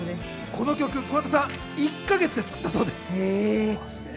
この曲、桑田さんは１か月で作ったそうです。